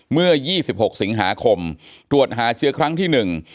เมื่อ๒๖สิงหาคมตรวจหาเชื้อครั้งที่๑